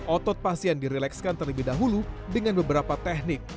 otot pasien dirilekskan terlebih dahulu dengan beberapa teknik